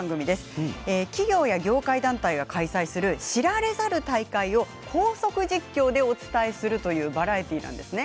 企業や業界団体が開催する知られざる大会を高速実況でお伝えするというバラエティーです。